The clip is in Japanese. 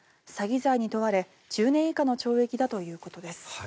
詐欺罪に問われ１０年以下の懲役ということです。